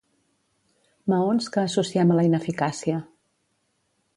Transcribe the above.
Maons que associem a la ineficàcia.